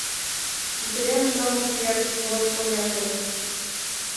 Ӱдырем-шамыч верч вот колянем.